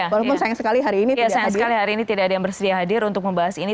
walaupun sayang sekali hari ini tidak ada yang bersedia hadir untuk membahas ini